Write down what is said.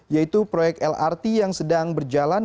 yaitu proyek lrt yang sedang berjalan